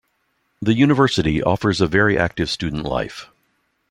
The university offers a very active student life.